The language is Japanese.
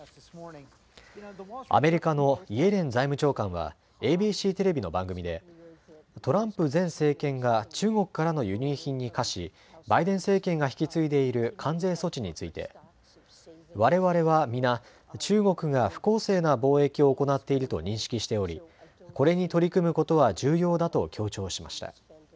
アメリカのイエレン財務長官はＡＢＣテレビの番組でトランプ前政権が中国からの輸入品に課しバイデン政権が引き継いでいる関税措置について、われわれは皆、中国が不公正な貿易を行っていると認識しておりこれに取り組むことは重要だと強調しました。